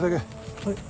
はい。